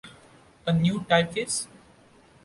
A New Typeface?